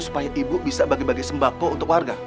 supaya ibu bisa bagi bagi sembako untuk warga